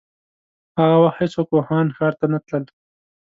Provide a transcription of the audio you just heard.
هغه وخت هيڅوک ووهان ښار ته نه تلل.